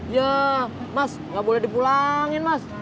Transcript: ya mas nggak boleh dipulangin mas